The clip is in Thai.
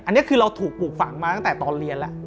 อันนี้คือเราถูกปลูกฝังมาตั้งแต่ตอนเรียนแล้ว